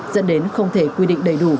dẫn đến không thể quy định đầy đủ